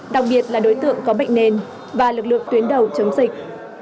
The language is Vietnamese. đặc biệt là đối tượng có bệnh nền và lực lượng tuyến đầu chống dịch